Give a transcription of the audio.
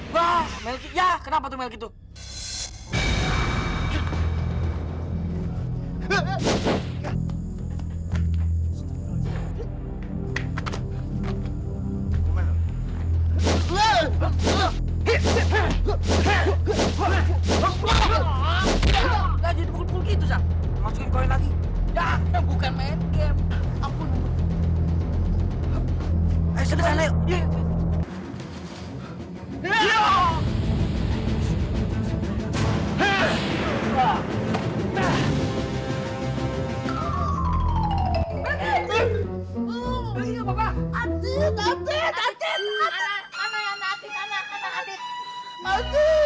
wah melky yah kenapa tuh melky tuh